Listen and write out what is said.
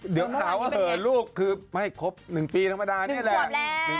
เดี๋ยวหาว่าเหอลูกคือไม่ครบ๑ปีธรรมดานี่แหละ